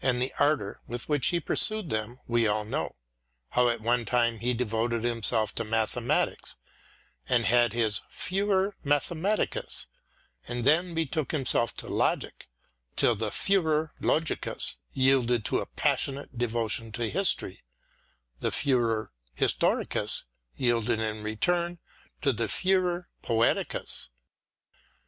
54 EDMUND BURKE ardour with which he pursued them we all know — how at one time he devoted himself to mathe matics and had his Juror mathematicus ; then be took himself to logic, till the Juror logicus yielded to a passionate devotion to history; the Juror historicus yielded in its turn to the /wror poeticus.